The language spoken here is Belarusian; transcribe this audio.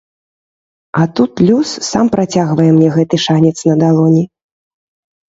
А тут лёс сам працягвае мне гэты шанец на далоні.